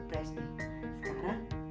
terima kasih dek